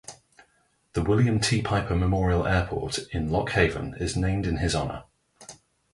The William T. Piper Memorial Airport in Lock Haven is named in his honor.